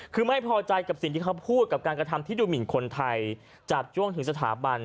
คือไม่พอใจกับสิ่งที่เขาพูดกับการกระทำที่ดูหมินคนไทยจับจ้วงถึงสถาบัน